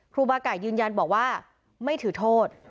ครูบาไก่ยืนยันบอกว่าไม่ถือโทษ